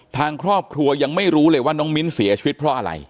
ทางครอบครัวยังไม่รู้เลยว่าน้องมิ้นเสียชีวิตเพราะอะไร